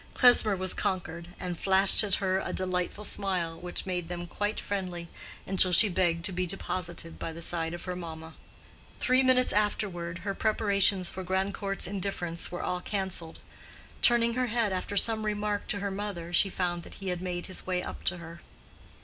Klesmer was conquered, and flashed at her a delightful smile which made them quite friendly until she begged to be deposited by the side of her mamma. Three minutes afterward her preparations for Grandcourt's indifference were all canceled. Turning her head after some remark to her mother, she found that he had made his way up to her.